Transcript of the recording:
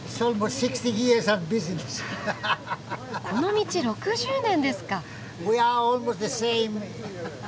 この道６０年ですか！